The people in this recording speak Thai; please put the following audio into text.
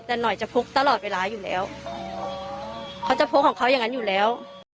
แต่หน่อยจะพกตลอดเวลาอยู่แล้วเขาจะพกของเขาอย่างนั้นอยู่แล้ว